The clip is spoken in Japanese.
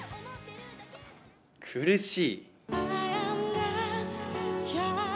苦しい。